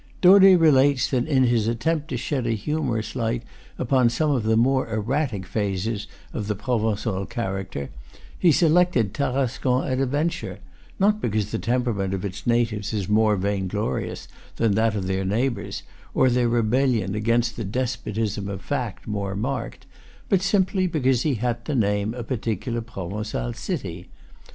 Daudet relates that in his attempt to shed a humorous light upon some of the more erratic phases of the Provencal character, he selected Tarascon at a venture; not because the temperament of its natives is more vainglorious than that of their neighbors, or their rebellion against the "despotism of fact" more marked, but simply because he had to name a par ticular Provencal city.